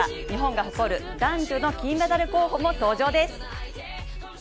日本が誇る、男女の金メダル候補も登場です。